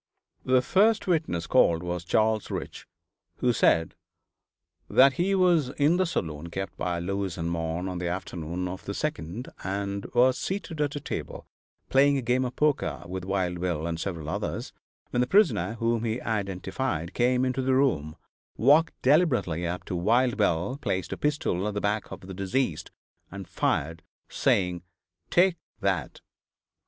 The first witness called was Charles Rich, who said that he was in the saloon kept by Lewis & Mann on the afternoon of the 2d, and was seated at a table playing a game of poker with Wild Bill and several others, when the prisoner, whom he identified, came into the room, walked deliberately up to Wild Bill, placed a pistol to the back of the deceased, and fired, saying: "Take that!"